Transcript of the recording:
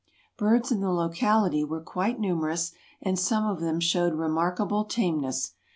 Birds in the locality were quite numerous and some of them showed remarkable tameness.